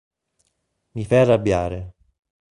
Mi fai arrabbiare.